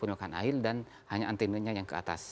penuhkan air dan hanya antenanya yang ke atas